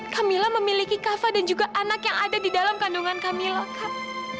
kamila memiliki kava dan juga anak yang ada di dalam kandungan kami lengkap